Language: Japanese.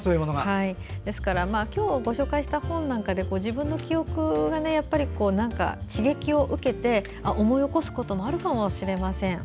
ですから、今日ご紹介した本なんかで自分の記憶が刺激を受けて思い起こすこともあるかもしれません。